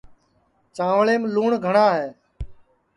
چانٚویم لُن گھٹ ہے